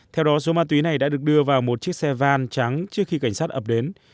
theo đó số ma túy này đã được đưa vào một chiếc xe van trắng trước khi cảnh sát ập đến